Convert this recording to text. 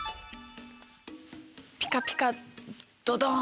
ピカピカドドン。